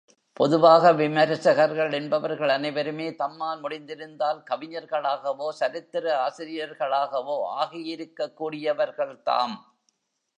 பொதுவாக, விமரிசகர்கள் என்பவர்கள் அனைவருமே தம்மால் முடிந்திருந்தால், கவிஞர்களாகவோ, சரித்திர ஆசிரியர்களாகவோ ஆகியிருக்கக்கூடியவர்கள் தாம்.